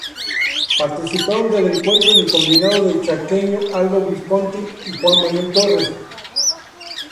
Participaron del encuentro en el combinado chaqueño Aldo Visconti y Juan Manuel Torres.